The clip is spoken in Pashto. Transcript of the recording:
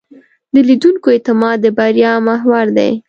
د لیدونکو اعتماد د بریا محور دی.